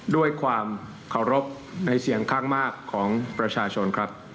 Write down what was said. ด้วยความเคารพในเสียงข้างมากของประชาชนครับ